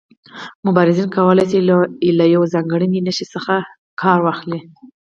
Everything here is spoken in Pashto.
مبارزین کولای شي له یو ځانګړي نښان څخه کار واخلي.